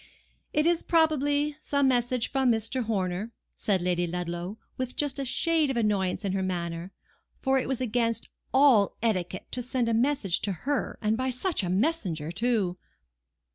"It is, probably, some message from Mr. Horner," said Lady Ludlow, with just a shade of annoyance in her manner; for it was against all etiquette to send a message to her, and by such a messenger too!